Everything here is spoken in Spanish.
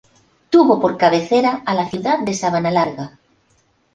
Tuvo por cabecera a la ciudad de Sabanalarga.